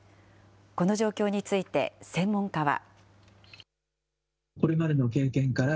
この状況について専門家は。